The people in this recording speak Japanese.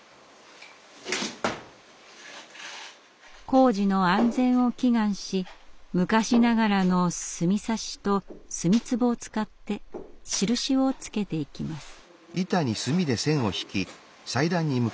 工事の安全を祈願し昔ながらの墨差しと墨つぼを使って印をつけていきます。